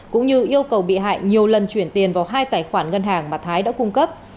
cũng như yêu cầu bị hại nhiều lần chuyển tiền vào hai tài khoản ngân hàng mà thái đã cung cấp